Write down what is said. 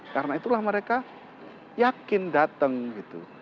karena itulah mereka yakin datang gitu